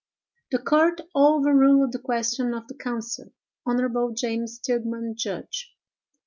"The court overruled the question of the counsel. Hon. James Tilgman, judge.